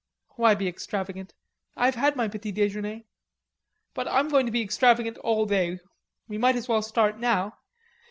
"Why be extravagant? I've had my petit dejeuner." "But I'm going to be extravagant all day.... We might as well start now.